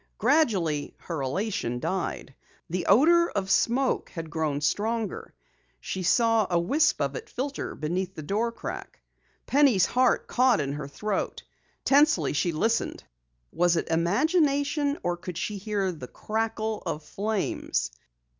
Gradually her elation died. The odor of smoke had grown stronger. She saw a wisp of it filter beneath the door crack. Penny's heart caught in her throat. Tensely she listened. Was it imagination or could she hear the crackle of flames?